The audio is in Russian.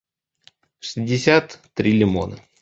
шестьдесят три лимона